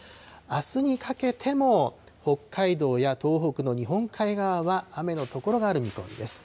あすにかけても北海道や東北の日本海側は雨の所がある見込みです。